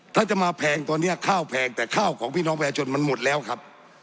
ถ้าจะมาแพงตอนนี้ข้าวแพงแต่ข้าวของพี่น้องประชาชนมันหมดแล้วครับ